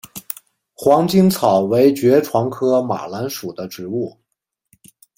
黄猄草为爵床科马蓝属的植物。